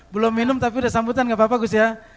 belum minum tapi udah sambutan gak apa apa gus ya